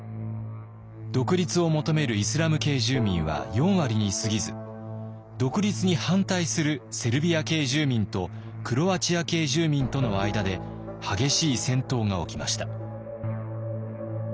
独立を求めるイスラム系住民は４割にすぎず独立に反対するセルビア系住民とクロアチア系住民との間で激しい戦闘が起きました。